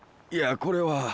いやこれは。